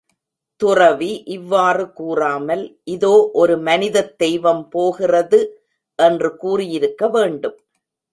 துறவி இவ்வாறு கூறாமல், இதோ ஒரு மனிதத் தெய்வம் போகிறது என்று கூறியிருக்க வேண்டும்.